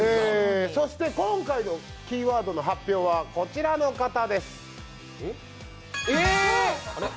そして今回のキーワードの発表はこちらの方です。